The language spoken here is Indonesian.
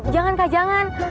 jangan kak jangan